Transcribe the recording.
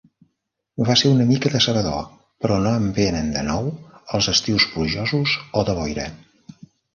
Va ser una mica decebedor, però no em venen de nou els estius plujosos o de boira.